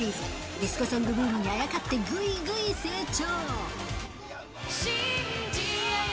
ディスコソングブームにあやかって、ぐいぐい成長。